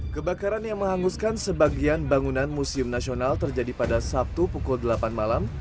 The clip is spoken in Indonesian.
kebakaran yang menghanguskan sebagian bangunan museum nasional terjadi pada sabtu pukul delapan malam